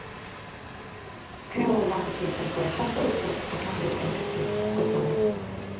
Creole languages, therefore, have a fully developed vocabulary and system of grammar.